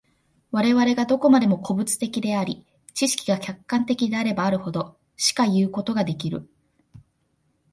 我々がどこまでも個物的であり、知識が客観的であればあるほど、しかいうことができる。